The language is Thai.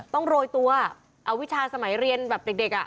โรยตัวเอาวิชาสมัยเรียนแบบเด็ก